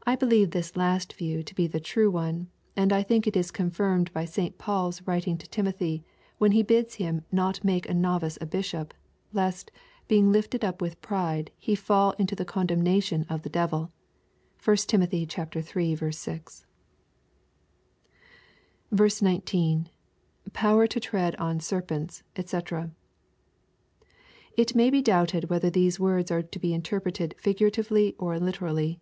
' I believe this last view to be the true one, and I think it is con firmed by St. Paul's warning to Timothy, when he bids him not make a novice a Bishop, lest, " being lifted up with pride, he fall into the condemnation of the devil." (1 Tim. iii. 6.) 19. — [Power to tread on serpents, dsc.'] It may be doubted whether these words are to be interpreted figuratively or literally.